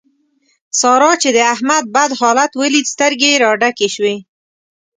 سارا چې د احمد بد حالت وليد؛ سترګې يې را ډکې شوې.